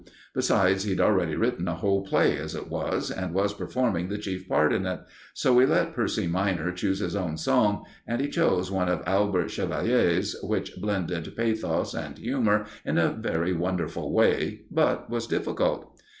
Besides, he'd already written a whole play, as it was, and was performing the chief part in it, so we let Percy minor choose his own song, and he chose one of Albert Chevalier's, which blended pathos and humour in a very wonderful way, but was difficult.